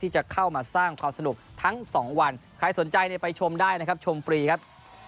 จะเข้ามาสร้างความสนุกทั้งสองวันใครสนใจไปชมได้นะครับชมฟรีครับ